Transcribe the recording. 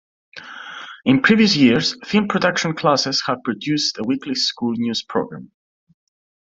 In previous years, film production classes have produced a weekly school news program.